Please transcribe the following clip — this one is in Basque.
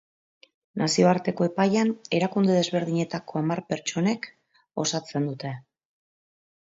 Nazioarteko epaian erakunde desberdinetako hamar pertsonek osatzen dute.